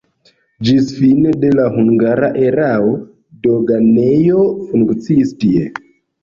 Ĝis fine de la hungara erao doganejo funkciis tie.